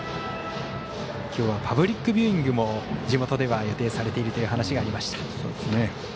きょうはパブリックビューイングも地元で予定されているという話がありました。